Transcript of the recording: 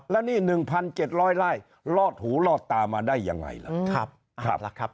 แล้วนี่๑๗๐๐ไร่ลอดหูลอดตามาได้อย่างไรล่ะ